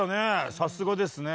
さすがですね。